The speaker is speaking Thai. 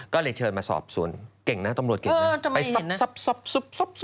ก็เลยเชิญมาสอบสวนเก่งนะตำรวจเก่งนะไปซับ